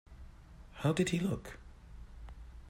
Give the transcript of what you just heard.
How did he look?